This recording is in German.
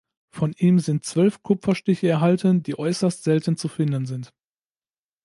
Von ihm sind zwölf Kupferstiche erhalten, die äußerst selten zu finden sind.